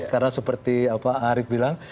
karena seperti arief bilang